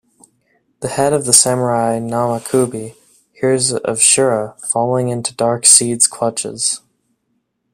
The head of the samurai Namakubi hears of Shura falling into Darc Seed's clutches.